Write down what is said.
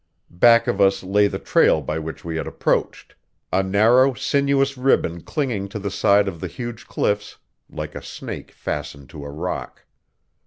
Back of us lay the trail by which we had approached a narrow, sinuous ribbon clinging to the side of the huge cliffs like a snake fastened to a rock.